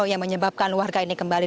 yang menyebabkan warga ini kembali